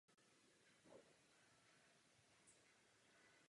Dohromady tvořila ministerskou radu pro společné záležitosti.